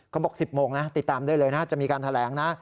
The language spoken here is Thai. เขาบอก๑๐โมงนะติดตามได้เลยนะจะมีการแถลงนะ